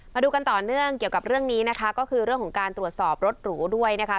มาดูกันต่อเนื่องเกี่ยวกับเรื่องนี้นะคะก็คือเรื่องของการตรวจสอบรถหรูด้วยนะคะ